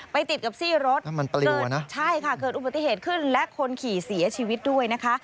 ติดกับซี่รถเกิดนะใช่ค่ะเกิดอุบัติเหตุขึ้นและคนขี่เสียชีวิตด้วยนะคะ